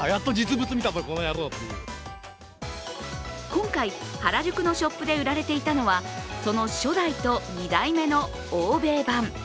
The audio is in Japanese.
今回、原宿のショップで売られていたのはその初代と２代目の欧米版。